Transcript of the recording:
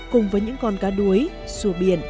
cùng với những con cá đuối sùa biển